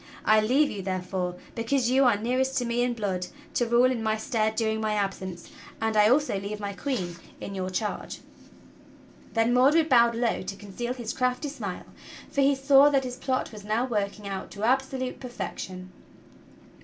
I leave you, therefore, because you are nearest to me in blood, to rule in my stead during my absence, and I also leave my Queen in your charge." THE PASSING OF ARTHUR 145 Then Mordred bowed low to conceal his crafty smile, for he saw that his plot was now working out to absolute perfection.